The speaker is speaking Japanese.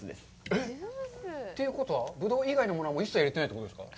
えっ？ということは、ぶどう以外のものを一切入れてないということですか？